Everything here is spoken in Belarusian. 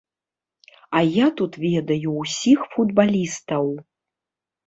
А я тут ведаю ўсіх футбалістаў.